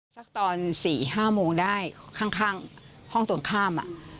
สักตอน๔๕โมงได้ข้างห้องตรงข้าม